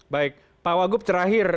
baik pak wagub terakhir